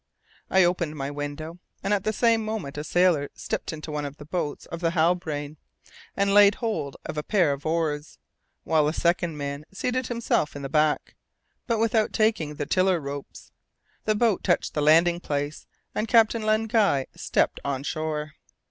I opened my window, and at the same moment a sailor stepped into one of the boats of the Halbrane and laid hold of a pair of oars, while a second man seated himself in the back, but without taking the tiller ropes. The boat touched the landing place and Captain Len Guy stepped on shore.